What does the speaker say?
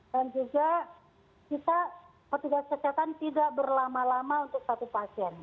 dan juga kita ketika kesihatan tidak berlama lama untuk satu pasien